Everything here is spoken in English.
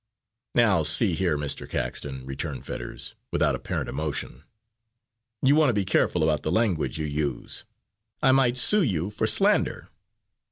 "Now, see here, Mr. Caxton," returned Fetters, without apparent emotion, "you want to be careful about the language you use. I might sue you for slander.